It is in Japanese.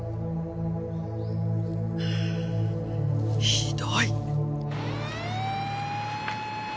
ひどい！